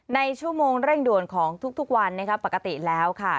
ในชั่วโมงเร่งด่วนของทุกวันปกติแล้วค่ะ